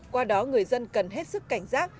qua đó người dân cần hết sức cảnh giác